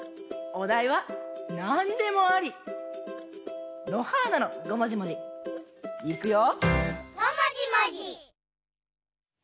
おだいはなんでもあり！のはーなのごもじもじいくよ！